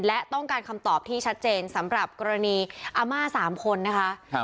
และต้องการคำตอบที่ชัดเจนสำหรับกรณีอาม่า๓คนนะคะ